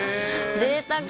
ぜいたく。